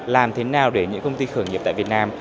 làm thế nào để những công ty khởi nghiệp tại việt nam